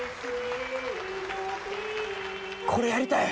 これやりたい！